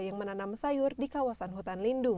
yang menanam sayur di kawasan hutan lindung